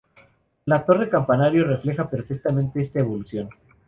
La torre campanario refleja perfectamente esta evolución.